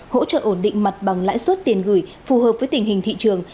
hỗ trợ ổn định mặt bằng lãi suất tiền gửi phù hợp với tình hình thị trường